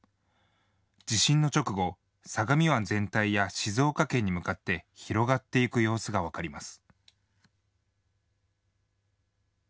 地震の直後、相模湾全体や静岡県に向かって広がっていく様子が分かります。